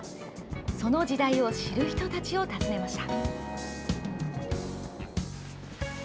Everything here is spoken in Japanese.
その時代を知る人たちを訪ねました。